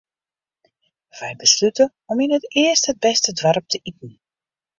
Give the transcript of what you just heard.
Wy beslute om yn it earste it bêste doarp te iten.